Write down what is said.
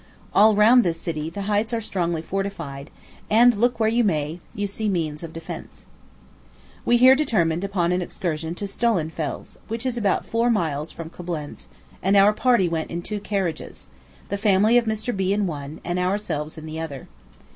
All round this city, the heights are strongly fortified; and, look where you may, you see means of defence. We here determined upon an excursion to Stolzenfels, which is about four miles from Coblentz, and our party went in two carriages the family of Mr. B. in one, and ourselves in the other.